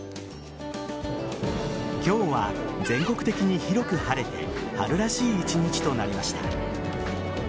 今日は全国的に広く晴れて春らしい１日となりました。